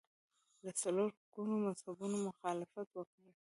له څلور ګونو مذهبونو مخالفت وکړي